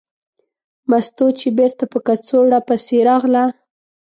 مستو چې بېرته په کڅوړه پسې راغله.